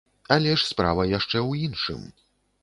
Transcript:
Але ж справа яшчэ ў іншым.